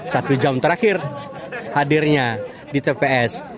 satu jam terakhir hadirnya di tps